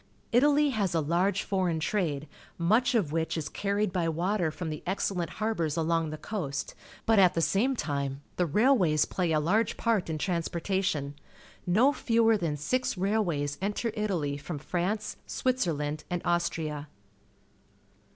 Italy has a large foreign trade, much of wliich is carried by water from the excellent harbours along the coast, but at the same time the railways plaj' a large part in trans portation. No fewer than six railways enter Italy from France, Switzerland, and Austria.